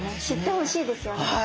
知ってほしいですよね。